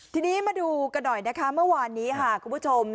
ทีนี้มาดูกันหน่อยนะคะเมื่อวานนี้ค่ะคุณผู้ชม